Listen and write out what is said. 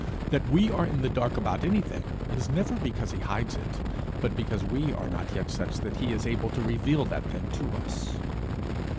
That we are in the dark about anything is never because he hides it, but because we are not yet such that he is able to reveal that thing to us.